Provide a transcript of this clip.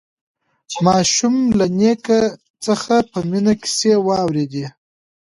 ماشوم له نیکه څخه په مینه کیسې واورېدې